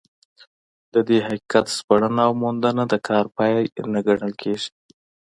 د دې حقیقت سپړنه او موندنه د کار پای نه ګڼل کېږي.